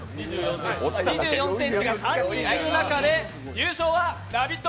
２４ｃｍが３人いる中で優勝は「ラヴィット！」